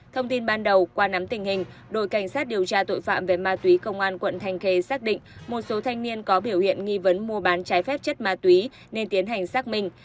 thông tin ban đầu qua nắm tình hình đội cảnh sát điều tra tội phạm về ma túy công an quận thanh khê xác định một số thanh niên có biểu hiện nghi vấn mua bán trái phép chất ma túy nên tiến hành xác minh